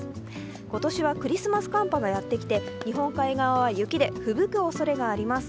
今年はクリスマス寒波がやってきて日本海側は雪で吹雪くおそれがあります。